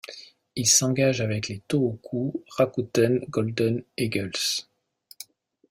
Il s'engage avec les Tohoku Rakuten Golden Eagles.